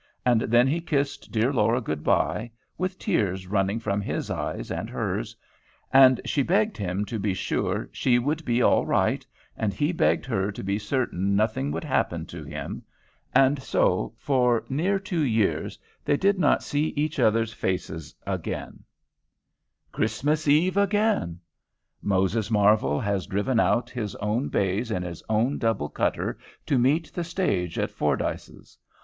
And then he kissed dear Laura good by, with tears running from his eyes and hers, and she begged him to be sure she should be all right, and he begged her to be certain nothing would happen to him. And so, for near two years, they did not see each other's faces again. CHRISTMAS EVE again! Moses Marvel has driven out his own bays in his own double cutter to meet the stage at Fordyce's.